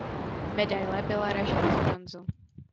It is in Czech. Medaile byla ražena z bronzu.